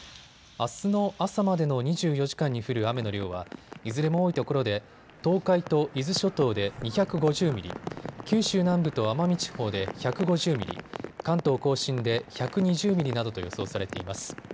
あすの朝までの２４時間に降る雨の量はいずれも多いところで東海と伊豆諸島で２５０ミリ、九州南部と奄美地方で１５０ミリ、関東甲信で１２０ミリなどと予想されています。